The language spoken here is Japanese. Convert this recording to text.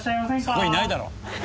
そこいないだろ！